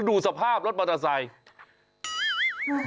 ดูสภาพรถมอเตอร์ไซค์